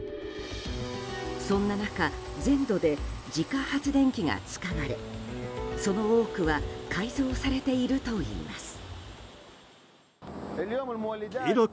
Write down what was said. そんな中全土で自家発電機が使われその多くは改造されているといいます。